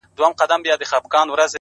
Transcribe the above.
په يو خـمـار په يــو نـسه كــي ژونــدون،